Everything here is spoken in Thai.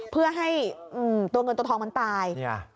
เพื่อให้ตัวเงินตัวทองมันตาย